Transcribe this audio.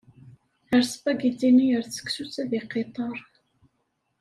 Err spagiti-nni ar tseksut ad yeqqiṭṭer.